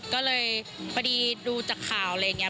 ก็เลยพอดีดูจากข่าวอะไรอย่างนี้